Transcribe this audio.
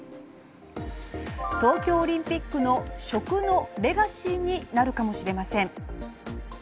東京オリンピックの食のレガシーになるかもしれません。